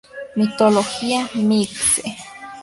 Mitología Mixe.